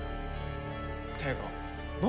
っていうかな